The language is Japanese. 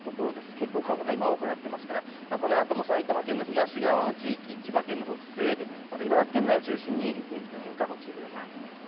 結構数が多くなっていますからこのあとも埼玉県の東側の地域、千葉県の北西部、茨城県内を中心に天気の変化にご注意ください。